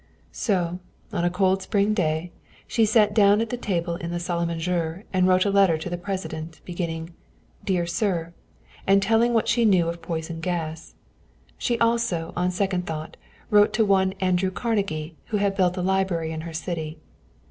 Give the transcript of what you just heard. So, on a cold spring day, she sat down at the table in the salle à manger and wrote a letter to the President, beginning "Dear Sir"; and telling what she knew of poison gas. She also, on second thought, wrote one to Andrew Carnegie, who had built a library in her city.